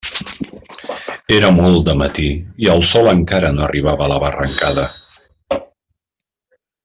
Era molt de matí i el sol encara no arribava a la barrancada.